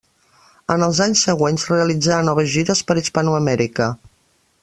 En els anys següents realitzà noves gires per Hispanoamèrica.